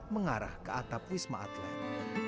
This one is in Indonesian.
mengarah ke atap wisma atlet